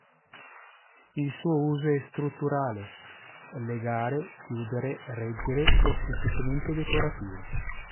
Il suo uso è strutturale: legare, chiudere, reggere o semplicemente decorativo.